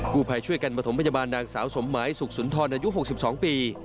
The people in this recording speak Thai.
ผู้ภัยช่วยกันประถมพยาบาลนางสาวสมหมายสุขสุนทรอายุ๖๒ปี